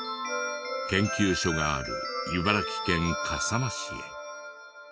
研究所がある茨城県笠間市へ。